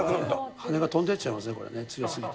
羽根が飛んでっちゃいますね、強すぎて。